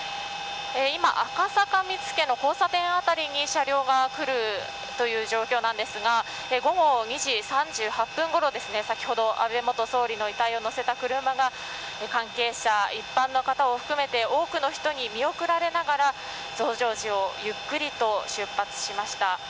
今赤坂見附の交差点辺りに車両が来るという状況なんですが午後２時３８分ごろ先ほど安倍元総理の遺体を乗せた車が関係者、一般の方を含めて多くの人に見送られながら増上寺をゆっくりと出発しました。